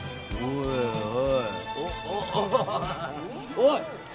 おい！